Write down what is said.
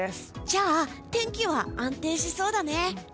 じゃあ天気は安定しそうだね。